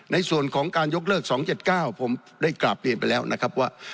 ในส่วนของการยกเลิก๒๗๙ผมได้กราบเรียนไปแล้วนะครับว่า